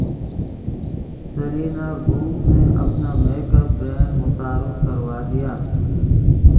Selina Gomez نے اپنا makeup brand متعارف کروا دیا